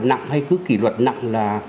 nặng hay cứ kỷ luật nặng là